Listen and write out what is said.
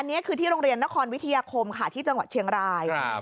อันนี้คือที่โรงเรียนนครวิทยาคมค่ะที่จังหวัดเชียงราย